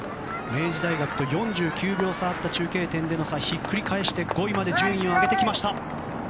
明治大学と４９秒差あった中継点での差をひっくり返して、５位まで順位を上げてきました。